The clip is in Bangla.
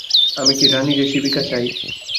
আমি কি রাণী যে শিবিকা চাই।